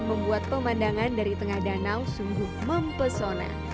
membuat pemandangan dari tengah danau sungguh mempesona